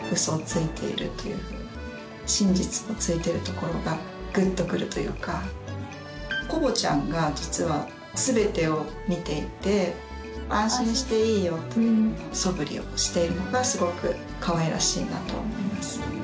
まずはのベストワンコボちゃんが実は全てを見ていて。というようなそぶりをしているのがすごくかわいらしいなと思います。